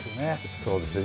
そうですよね。